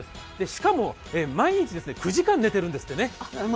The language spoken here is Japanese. しかも、毎日９時間寝ていらっしゃるんですよね。